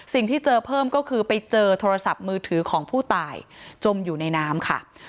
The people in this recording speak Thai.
เจอเพิ่มก็คือไปเจอโทรศัพท์มือถือของผู้ตายจมอยู่ในน้ำค่ะ